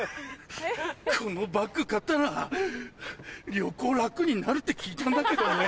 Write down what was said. このバッグ買ったら旅行楽になるって聞いたんだけどね。